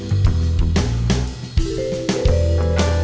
mana uangnya di timpain mohim